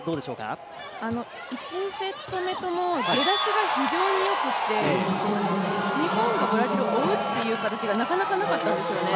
１、２セット目とも出だしが非常に良くて日本がブラジルを追うという形がなかなかなかったんですよね。